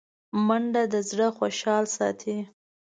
منډه د زړه خوشحال ساتي